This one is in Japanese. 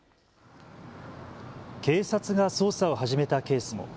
警察が捜査を始めたケースも。